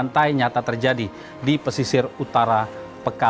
kenapa di sini pak